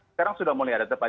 sekarang sudah mulai ada tepatnya